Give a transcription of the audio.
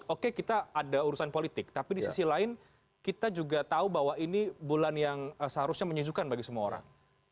oke kita ada urusan politik tapi di sisi lain kita juga tahu bahwa ini bulan yang seharusnya menyejukkan bagi semua orang